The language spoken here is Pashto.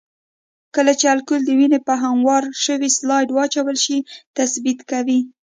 کله چې الکول د وینې په هموار شوي سلایډ واچول شي تثبیت کوي.